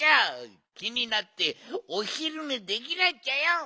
きになっておひるねできないっちゃよ！